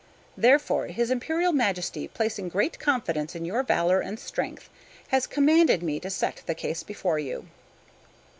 Therefore his Imperial Majesty, placing great confidence in your valor and strength, has commanded me to set the case before you."